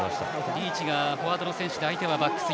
リーチがフォワードの選手で相手はバックの選手。